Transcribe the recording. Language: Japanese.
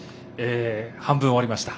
半分が終わりました。